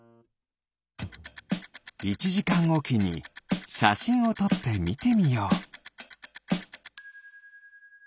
１じかんおきにしゃしんをとってみてみよう。